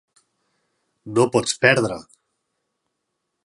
No pots perdre.